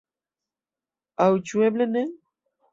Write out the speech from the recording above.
Aŭ ĉu eble ne?